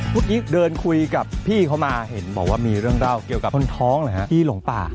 พวกนี้เดินคุยกับพี่เขามาเห็นบอกว่ามีเรื่องราวเกี่ยวกับคนท้องเลยฮะพี่หลงป่า